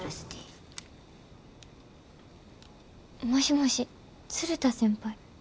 もしもし鶴田先輩？